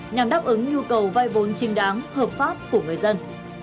nhằm đáp ứng nhu cầu vay vốn trình đáng hợp pháp của người dân